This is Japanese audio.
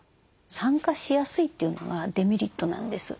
酸化しやすいというのがデメリットなんです。